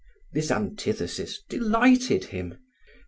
This antithesis delighted him.